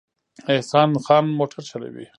احسان خان موټر چلوي